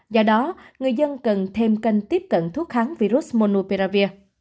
do đó người dân cần thêm kênh tiếp cận thuốc kháng virus monophravir